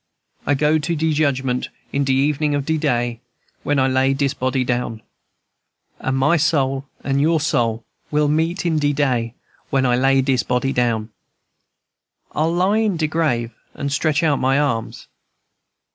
I go to de judgment in de evenin' of de day, When I lay dis body down; And my soul and your soul will meet in de day When I lay dis body down." "I'll lie in de grave and stretch out my arms."